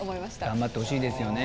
頑張ってほしいですよね。